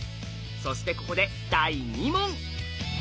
そしてここで第２問。